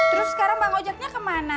terus sekarang bang ojeknya kemana